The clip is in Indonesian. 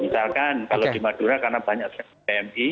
misalkan kalau di madura karena banyak sekali pmi